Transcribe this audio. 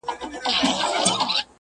پر ازل مي غم امیر جوړ کړ ته نه وې!!